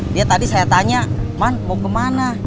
dia tadi saya tanya man mau kemana